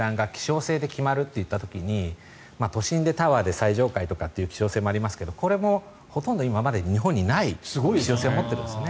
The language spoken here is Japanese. マンションの値段が希少性で決まるといった時に都心でタワーで最上階という希少性もありますがこれも今まで日本にない希少性を持ってるんですね。